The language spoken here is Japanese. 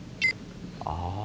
ああ。